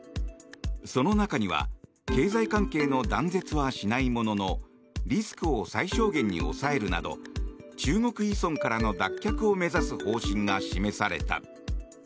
その中には経済関係の断絶はしないもののリスクを最小限に抑えるなど中国依存からの脱却を目指す方針が示された。